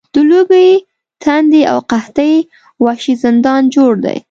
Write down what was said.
د لوږې، تندې او قحطۍ وحشي زندان جوړ دی.